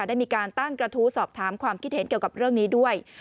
ได้มีการตั้งกระทู้สอบถามความคิดเห็นเกี่ยวกับเรื่องนี้ด้วย